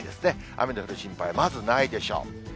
雨の降る心配はまずないでしょう。